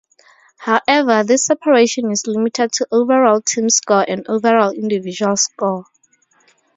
However, this separation is limited to overall team score and overall individual score.